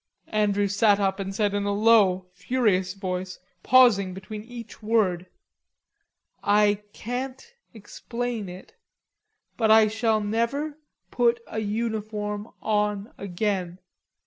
Andrews sat up and said in a low, furious voice, pausing between each word: "I can't explain it.... But I shall never put a uniform on again....